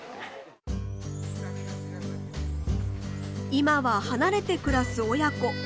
今は離れて暮らす親子。